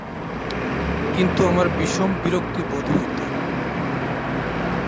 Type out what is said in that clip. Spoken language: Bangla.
কিন্তু আমার বিষম বিরক্তি বোধ হইত।